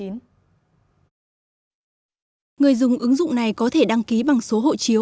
người dùng ứng dụng này có thể đăng ký bằng số hộ chiếu